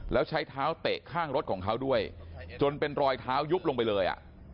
แล้วใช้เท้าเตะข้างรถของเขาด้วยจนเป็นรอยเท้ายุบลงไปเลยอ่ะ